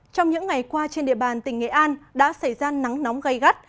trong những ngày qua trên địa bàn tỉnh nghệ an đã xảy ra nắng nóng gây gắt